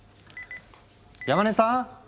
山根さん？